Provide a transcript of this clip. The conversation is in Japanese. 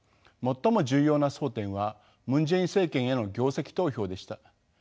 最も重要な争点はムン・ジェイン政権への業績投票でした。